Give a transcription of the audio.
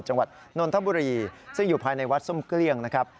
นนทบุรีซึ่งอยู่ภายในวัดส้มเกลี้ยงนะครับ